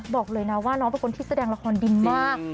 บอกเลยนะว่าน้องเป็นคนที่แสดงละครดีมาก